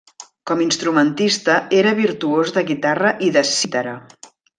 Com instrumentista era virtuós de Guitarra i de cítara.